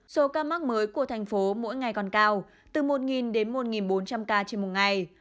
số ca mắc mới của thành phố mỗi ngày còn cao từ một đến một bốn trăm linh ca trên một ngày